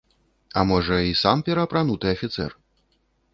А можа, і сам пераапрануты афіцэр?